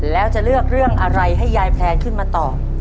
แล้วจะเลือกเรื่องอะไรให้ยายแพลนขึ้นมาตอบ